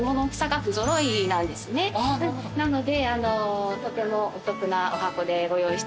なのでとてもお得なお箱でご用意してます。